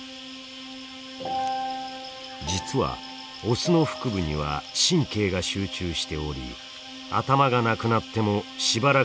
実はオスの腹部には神経が集中しており頭がなくなってもしばらく動き続けることができるのです。